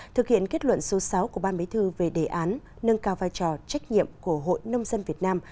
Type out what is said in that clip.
thực hiện kết luận số sáu của ban bí thư về đề án nâng cao vai trò trách nhiệm của hội nông dân việt nam